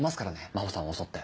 真帆さんを襲って。